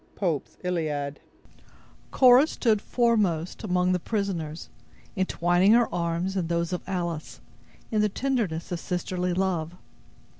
—Pope's Illiad Cora stood foremost among the prisoners, entwining her arms in those of Alice, in the tenderness of sisterly love.